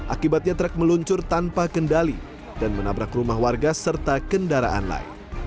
akibatnya truk meluncur tanpa kendali dan menabrak rumah warga serta kendaraan lain